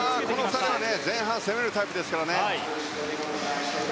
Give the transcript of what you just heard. この２人は前半から攻めるタイプですからね。